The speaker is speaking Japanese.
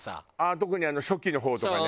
特にあの初期の方とかね。